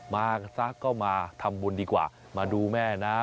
มาซักก็มาทำบุญดีกว่ามาดูแม่นะ